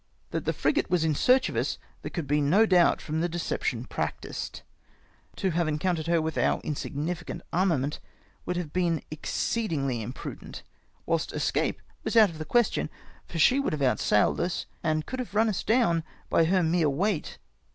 That the frigate was in search of us there could be no doubt, from the deception practised. To have en HOW SHE WAS EVADED. 101 countered her with our insignificant armament wovild have been exceedingly imprudent, whilst escape was out of the question, for she would have outsailed us, and could have run us down by her mere weight.